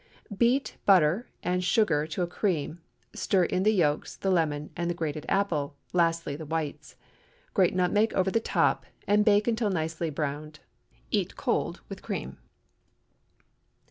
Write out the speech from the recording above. Beat butter and sugar to a cream, stir in the yolks, the lemon, the grated apple, lastly the whites. Grate nutmeg over the top, and bake until nicely browned. Eat cold with cream.